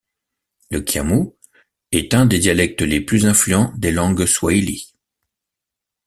Le kiamu est un des dialectes les plus influents des langues swahilies.